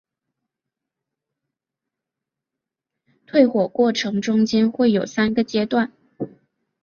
退火过程中间会有三个阶段。